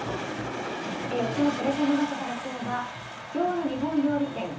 ４つのプレゼンの中から今日は苦境の日本料理店。